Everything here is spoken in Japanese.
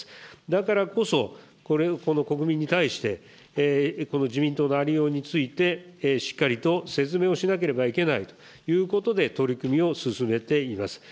だからこそ、国民に対してこの自民党のありようについて、しっかりと説明をしなければいけないということで、取り組みを進めています。